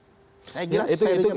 saya kira serinya begitu